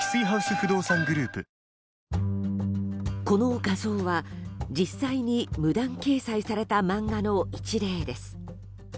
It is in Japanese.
この画像は、実際に無断掲載された漫画の一例です。